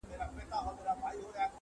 په توره کار دومره سم نسي مگر.